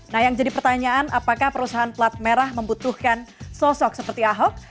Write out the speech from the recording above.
nah yang jadi pertanyaan apakah perusahaan pelat merah membutuhkan sosok seperti ahok